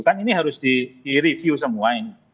kan ini harus di review semua ini